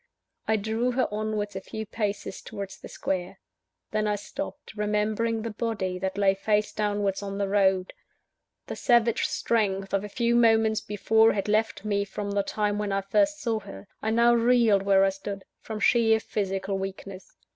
I drew her onward a few paces towards the Square. Then I stopped, remembering the body that lay face downwards on the road. The savage strength of a few moments before, had left me from the time when I first saw her. I now reeled where I stood, from sheer physical weakness.